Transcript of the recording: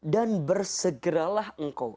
dan bersegeralah engkau